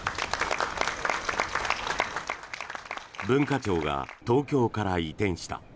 文化庁が東京から移転した。